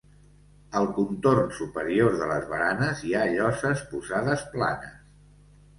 Al contorn superior de les baranes hi ha lloses posades planes.